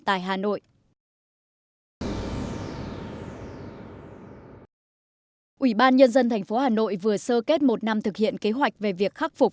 tại hà nội ủy ban nhân dân thành phố hà nội vừa sơ kết một năm thực hiện kế hoạch về việc khắc phục